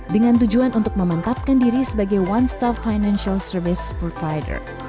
dengan tujuan untuk memantapkan diri sebagai one stop financial service provider